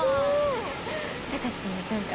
貴司君の短歌